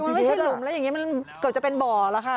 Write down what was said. มันไม่ใช่หลุมแล้วอย่างนี้เกือบจะเป็นบ่อหรือคะ